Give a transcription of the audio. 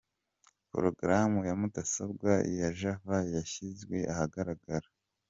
Porogaramu ya mudasobwa ya Java yashyizwe ahagaragara.